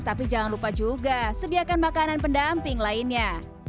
tapi jangan lupa juga sediakan makanan pendamping lainnya